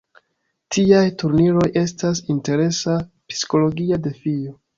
Tiaj turniroj estas interesa psikologia defio.